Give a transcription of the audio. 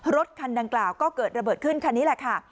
รถคันดังกล่าวก็เกิดระเบิดขึ้นคันนี้แหละค่ะ